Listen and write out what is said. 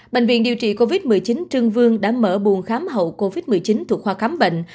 bệnh viện điều trị covid một mươi chín trương vương đã mở buồn khám hậu covid một mươi chín thuộc khoa khám bệnh